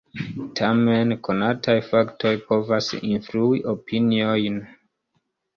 Tamen, konataj faktoj povas influi opiniojn.